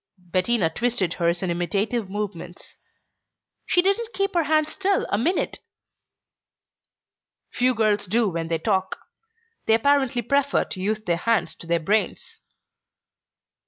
Bettina twisted hers in imitative movements. "She didn't keep her hands still a minute." "Few girls do when they talk. They apparently prefer to use their hands to their brains."